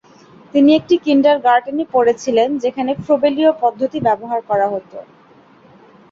তিনি একটি কিন্ডারগার্টেনে পড়েছিলেন যেখানে ফ্রোবেলীয় পদ্ধতি ব্যবহার করা হতো।